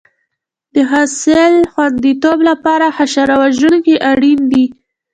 د حاصل خوندیتوب لپاره حشره وژونکي اړین دي.